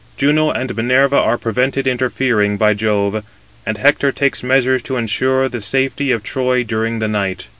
Juno and Minerva are prevented interfering by Jove, and Hector takes measures to insure the safety of Troy during the night.